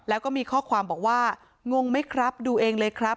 แล้วก็มีข้อความบอกว่างงไหมครับดูเองเลยครับ